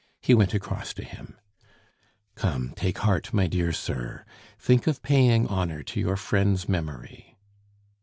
He went across to him. "Come, take heart, my dear sir. Think of paying honor to your friend's memory."